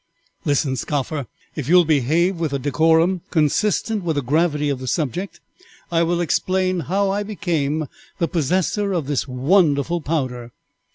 "Listen, scoffer; if you will behave with a decorum consistent with the gravity of the subject, I will explain how I became the possessor of this wonderful powder.